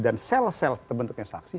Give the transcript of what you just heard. dan sel sel terbentuknya saksi